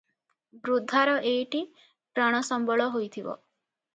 ବୃଦ୍ଧାର ଏଇଟି ପ୍ରାଣସମ୍ବଳ ହୋଇଥିବ ।